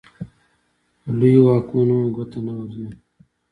په لویو واکمنو مو ګوته نه ورځي.